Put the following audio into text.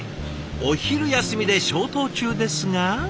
お昼休みで消灯中ですが。